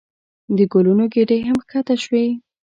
د ګلونو ګېډۍ هم ښکته شوې.